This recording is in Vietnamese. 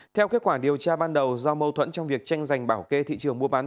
theo kết quả điều tra ban đầu do mâu thuẫn trong việc tranh giành bảo kê thị trường mua bán